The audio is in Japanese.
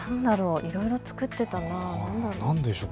いろいろ作ってたな、何だろう。